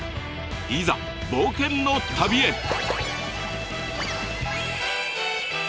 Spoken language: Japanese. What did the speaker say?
いざ冒険の旅へ！